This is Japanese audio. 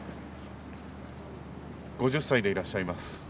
５０歳でいらっしゃいます。